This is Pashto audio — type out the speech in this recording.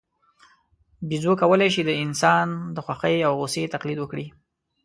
بیزو کولای شي د انسان د خوښۍ او غوسې تقلید وکړي.